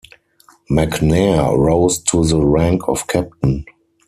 McNair rose to the rank of captain.